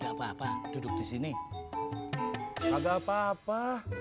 halo enggak apa apa duduk di sini enggak apa apa